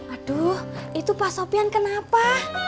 aduh itu pak sofian kenapa